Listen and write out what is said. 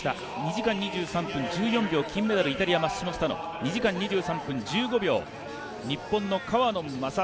２時間２３分１４秒金メダル、イタリアマッシモ・スタノ２時間２３分１５秒日本の川野将